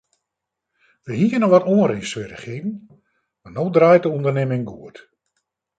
Wy hiene wat oanrinswierrichheden mar no draait de ûndernimming goed.